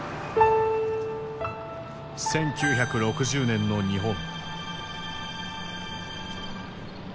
１９６０年の日本。